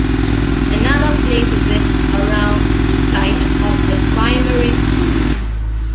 Another places it around the site of the primary school.